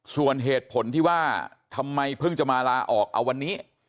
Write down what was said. ส่วนเหตุผลที่ว่าทำไมเพิ่งจะมาลาออกเอาวันนี้